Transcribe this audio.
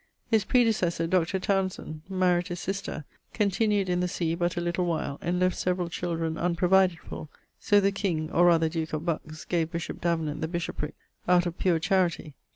His predecessor, Dr. Tounson, maried his sister, continued in the see but a little while, and left severall children unprovided for, so the king or rather duke of Bucks gave bishop Davenant the bishoprick out of pure charity[DL].